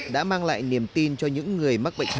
đã mang lại niềm tin cho những người mắc bệnh